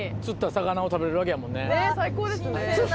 ねっ最高ですね。